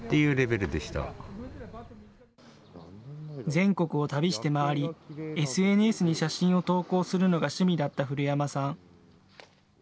全国を旅して回りＳＮＳに写真を投稿するのが趣味だった古山さん。